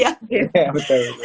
iya betul betul